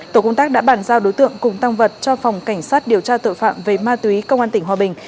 tổ công tác đã bàn giao đối tượng cùng tăng vật cho phòng cảnh sát điều tra tội phạm về ma túy công an tỉnh hòa bình